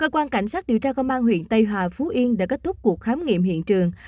cơ quan cảnh sát điều tra công an huyện tây hòa phú yên đã kết thúc cuộc khám nghiệm hiện trường